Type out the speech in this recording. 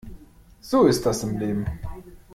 So ist das im Leben.